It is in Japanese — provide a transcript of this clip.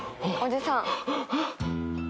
おじさん。